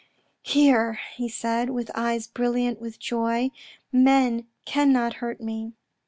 " Here," he said, " with eyes brilliant with joy, men cannot hurt me."